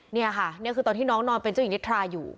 นี่ค่ะนี่คือตอนที่น้องนอนเป็นเจ้าหญิงนิทราอยู่